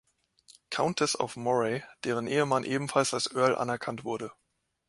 Countess of Moray, deren Ehemann ebenfalls als Earl anerkannt wurde.